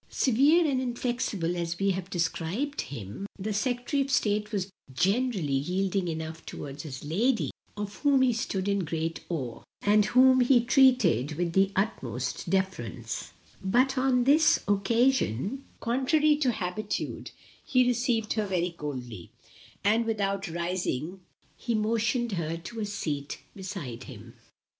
Severe and inflexible as we have described him, the Secretary of State was generally yielding enough towards his lady, of whom he stood in great awe, and whom he treated with the utmost deference; but on this occasion, contrary to habitude, he received her very coldly, and without rising motioned her to a seat beside him.